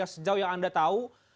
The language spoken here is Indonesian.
sejauh yang anda tahu